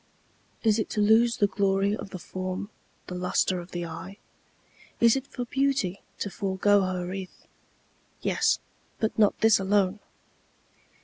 Is it to lose the glory of the form, The lustre of the eye? Is it for beauty to forego her wreath? Yes, but not this alone.